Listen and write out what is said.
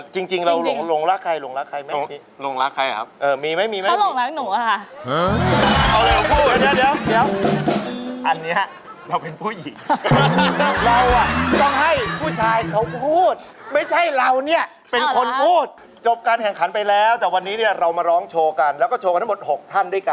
ฉันเห็นแกดูเมื่อกี้ตรงนี้